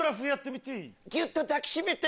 ギュっと抱き締めて！